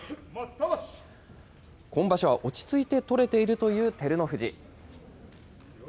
今場所は落ち着いて取れているという照ノ富士。